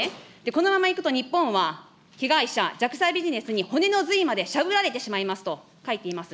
このままいくと日本は、被害者、弱者ビジネスに骨の髄までしゃぶられてしまいますと書いています。